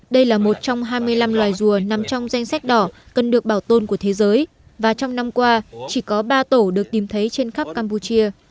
đây là một trong hai mươi năm loài rùa nằm trong danh sách đỏ cần được bảo tồn của thế giới và trong năm qua chỉ có ba tổ được tìm thấy trên khắp campuchia